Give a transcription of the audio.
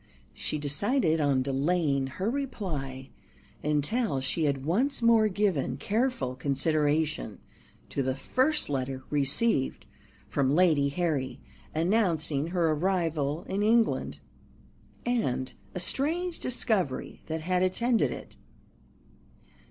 She decided on delaying her reply until she had once more given careful consideration to the first letter received from Lady Harry, announcing her arrival in England, and a strange discovery that had attended it.